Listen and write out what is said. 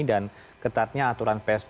dan ketatnya aturan psbb